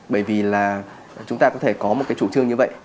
bởi vì chúng ta có thể có một chủ trương như vậy